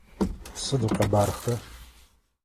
Сыд уикъэбархэ?